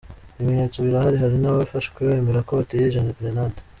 Ibimenyetso birahari hari n’abafashwe bemera ko bateye gerenade.